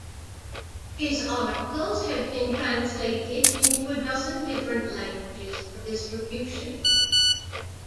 His articles have been translated into a dozen different languages for distribution.